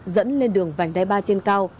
dẫn lên đường vành đai ba trên cao